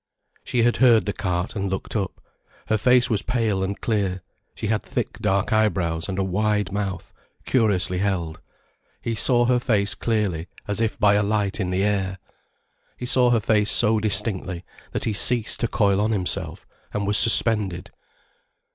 She had heard the cart, and looked up. Her face was pale and clear, she had thick dark eyebrows and a wide mouth, curiously held. He saw her face clearly, as if by a light in the air. He saw her face so distinctly, that he ceased to coil on himself, and was suspended.